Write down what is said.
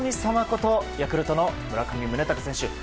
ことヤクルトの村上宗隆選手。